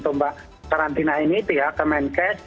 tombak karantina ini pihak kemenkes